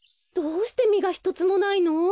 どうしてみがひとつもないの？